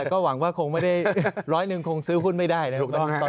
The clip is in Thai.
ก็หวังว่าคงไม่ได้ร้อยหนึ่งคงซื้อหุ้นไม่ได้นะครับ